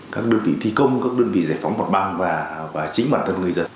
các đơn vị thi công các đơn vị giải phóng mặt bằng và chính bản thân người dân